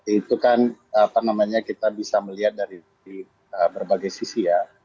itu kan kita bisa melihat dari berbagai sisi ya